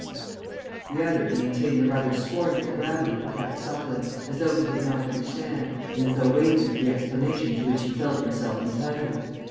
The other, maintaining a rather scornful gravity, kept silence, as though he did not understand and as though waiting for the explanation to which he felt himself entitled.